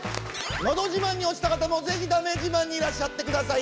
「のど自慢」に落ちた方も是非「だめ自慢」にいらっしゃってください。